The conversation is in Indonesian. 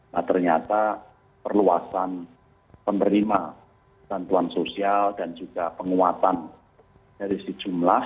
nah ternyata perluasan penerima bantuan sosial dan juga penguatan dari sejumlah